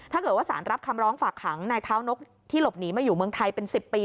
ถ้าเกิดว่าสารรับคำร้องฝากขังนายเท้านกที่หลบหนีมาอยู่เมืองไทยเป็น๑๐ปี